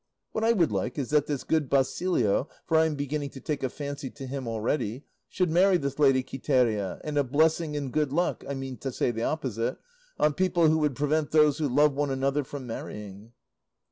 What I would like is that this good Basilio (for I am beginning to take a fancy to him already) should marry this lady Quiteria; and a blessing and good luck I meant to say the opposite on people who would prevent those who love one another from marrying."